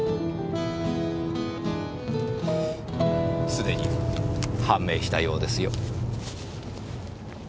すでに判明したようですよ。